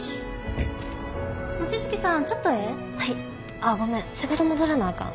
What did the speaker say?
ああごめん仕事戻らなあかん。